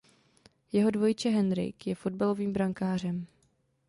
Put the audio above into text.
Jeho dvojče Henrik je fotbalovým brankářem.